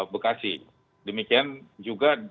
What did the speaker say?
bekasi demikian juga